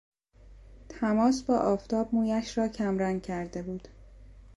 تماس با آفتاب مویش را کمرنگ کرده بود.